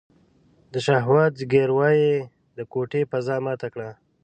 د شهوت ځګيروی يې د کوټې فضا ماته کړه.